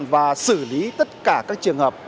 và xử lý tất cả các trường hợp